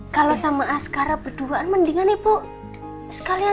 kalau sama askara berduaan mendingan ibu sekalian aja ya